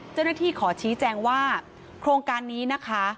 เจ้าหน้าที่ขอชี้แจงว่าโครงการนี้นะคะ